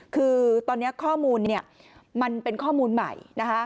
คือตอนนี้ข้อมูลมันเป็นข้อมูลใหม่นะคะ